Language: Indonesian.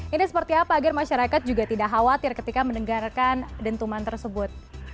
ini seperti apa agar masyarakat juga tidak khawatir ketika mendengarkan dentuman tersebut